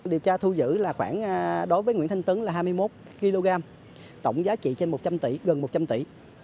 điều tra thu giữ là khoảng đối với nguyễn thanh tuấn là hai mươi một kg tổng giá trị trên một trăm linh tỷ gần một trăm linh tỷ